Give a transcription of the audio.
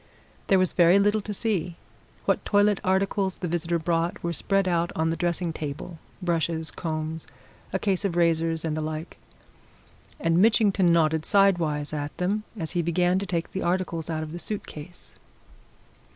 There was very little to see what toilet articles the visitor brought were spread out on the dressing table brushes, combs, a case of razors, and the like. And Mitchington nodded side wise at them as he began to take the articles out of the suit case.